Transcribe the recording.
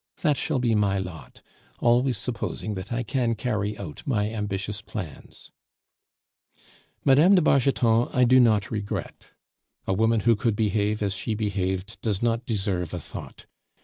That shall be my lot, always supposing that I can carry out my ambitious plans. "Mme. de Bargeton I do not regret. A woman who could behave as she behaved does not deserve a thought.